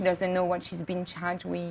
dia tidak tahu apa yang dia terima